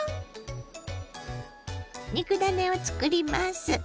肉ダネをつくります。